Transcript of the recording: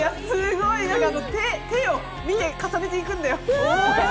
手を重ねていくんだよ。